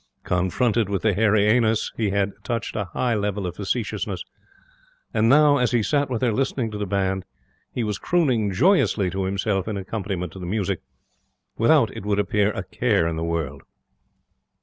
Confronted with the Hairy Ainus, he had touched a high level of facetiousness. And now, as he sat with her listening to the band, he was crooning joyously to himself in accompaniment to the music, without, it would appear, a care in the world.